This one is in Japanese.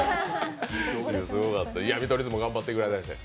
見取り図も頑張ってくれれて。